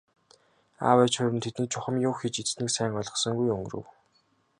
Аав ээж хоёр нь тэднийг чухам юу хийж идсэнийг сайн ойлгосонгүй өнгөрөв.